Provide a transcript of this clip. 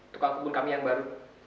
tukang kebun kami yang baru